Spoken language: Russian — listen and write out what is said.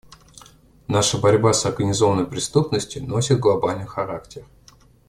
Наша борьба с организованной преступностью носит глобальный характер.